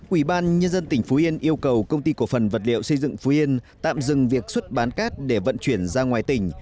ubnd tỉnh phú yên yêu cầu công ty cổ phần vật liệu xây dựng phú yên tạm dừng việc xuất bán cát để vận chuyển ra ngoài tỉnh